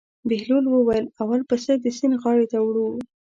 بهلول وویل: اول پسه د سیند غاړې ته وړو.